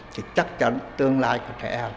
thì chắc chắn tương lai của trẻ em